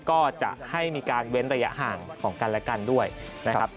ก็จะให้มีการเว้นระยะห่างของกันและกันด้วยนะครับ